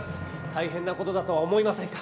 たいへんなことだとは思いませんか？